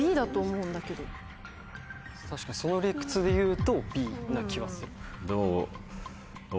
確かにその理屈でいうとＢな気はする。